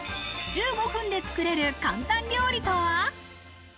１５分で作れる簡単料理とは？